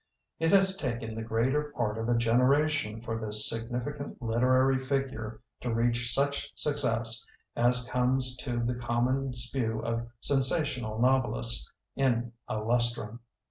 It has taken the greater part of a generation for this significant literary figure to reach such "success" as comes to the common spew of sensational novelists in a lustrum.